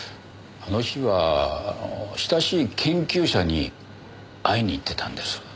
あの日は親しい研究者に会いに行ってたんです。